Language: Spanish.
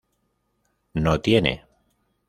No tiene.